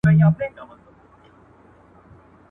چې تورو خاورو ته مي سپاري